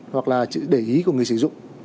hoặc là chữ để ý của người sử dụng